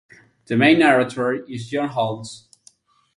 The main narrator is Jon Holmes.